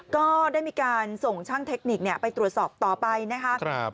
ก็ได้มีการส่งช่างเทคนิคไปตรวจสอบต่อไปนะคะ